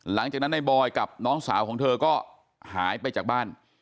หลังจากนั้นในบอยกับน้องสาวของเธอก็หายไปจากบ้าน